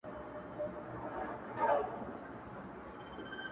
o زه چي الله څخه ښكلا په سجده كي غواړم ـ